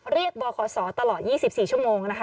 เรียกบขตลอด๒๔ชั่วโมงนะคะ